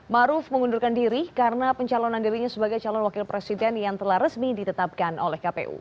maruf mengundurkan diri karena pencalonan dirinya sebagai calon wakil presiden yang telah resmi ditetapkan oleh kpu